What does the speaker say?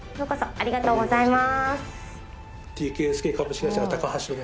ありがとうございます。